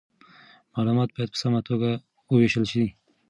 معلومات باید په سمه توګه وویشل سي.